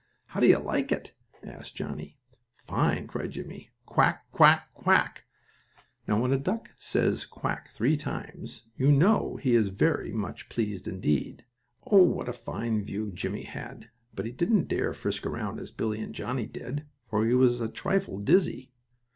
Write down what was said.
"How do you like it?" asked Johnnie. "Fine!" cried Jimmie. "Quack! Quack! Quack!" Now when a duck says "quack" three times, you may know he is very much pleased indeed. Oh, what a fine view Jimmie had, but he didn't dare frisk around as Billie and Johnnie did, for he was a trifle dizzy.